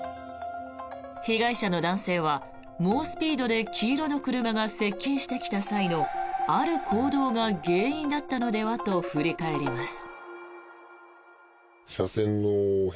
被害者の男性は猛スピードで黄色の車が接近してきた際のある行動が原因だったのではと振り返ります。